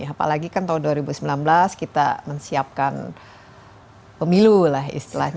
apalagi kan tahun dua ribu sembilan belas kita menyiapkan pemilu lah istilahnya